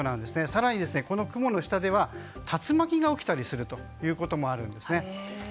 更にこの雲の下では竜巻が起きたりすることもあるんですね。